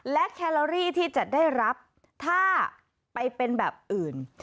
และแคลอรี่ที่จะได้รับถ้าไปเป็นแบบอื่น